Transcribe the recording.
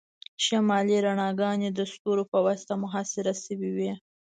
شمالي رڼاګانې د ستورو په واسطه محاصره شوي وي